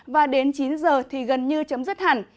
và đến chín giờ thì gần như chấm dứt hẳn